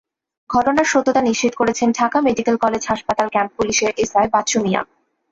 ঘটনার সত্যতা নিশ্চিত করেছেন ঢাকা মেডিকেল কলেজ হাসপাতাল ক্যাম্প পুলিশের এসআই বাচ্চু মিয়া।